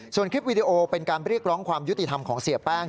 ส่วนคลิปวีดีโอเป็นการเรียกร้องความยุติธรรมของเสียแป้ง